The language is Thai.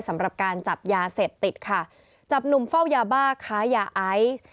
สำหรับการจับยาเสพติดค่ะจับหนุ่มเฝ้ายาบ้าค้ายาไอซ์